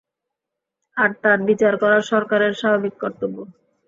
আর তার বিচার করা সরকারের স্বাভাবিক কর্তব্য।